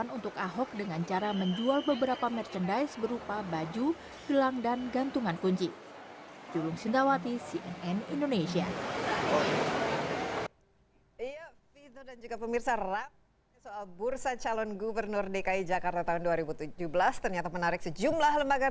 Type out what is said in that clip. yang dulunya belum seperti sekarang sekarang kelihatan nyata sekali seperti banjir